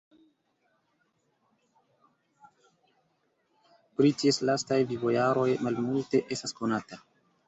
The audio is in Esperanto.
Pri ties lastaj vivojaroj malmulte estas konata.